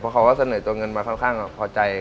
เพราะเขาก็เสนอเงินมาค่อนข้างพอใจ